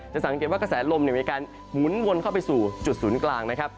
สังเกตว่ากระแสลมมีการหมุนวนเข้าไปสู่จุดศูนย์กลางนะครับ